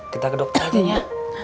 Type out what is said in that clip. kita ke dokter nih ya